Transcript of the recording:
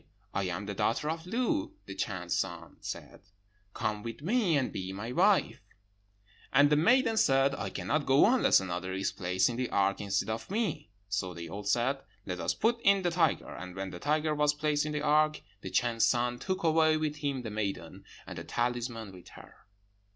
'I am the daughter of Lu.' The Chan's son said, 'Come with me, and be my wife.' And the maiden said, 'I cannot go unless another is placed in the ark instead of me.' So they all said, 'Let us put in the tiger.' And when the tiger was placed in the ark, the Chan's son took away with him the maiden, and the talisman with her.